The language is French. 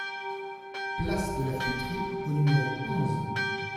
Place de la Fûterie au numéro onze